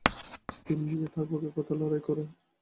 তিনি নিজেই তার পক্ষে কথা লড়াই করেন।